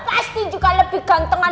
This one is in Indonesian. pasti juga lebih gantengan